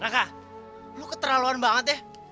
kakak lu keterlaluan banget ya